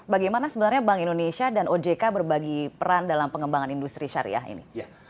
bagaimana sebenarnya bank indonesia dan ojk berbagi peran dalam pengembangan industri syariah ini